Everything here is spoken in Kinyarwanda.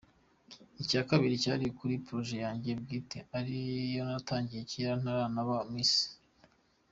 Icya kabiri cyari cyo kuri project yanjye bwite, ariyo natagiye cyera, ntaranaba Miss.